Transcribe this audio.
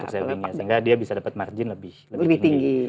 sehingga dia bisa dapat margin lebih tinggi